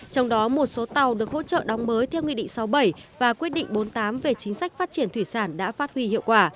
trong đó một số tàu được hỗ trợ đóng mới theo nguyên định sáu bảy và quyết định bốn tám về chính sách phát triển thủy sản đã phát huy hiệu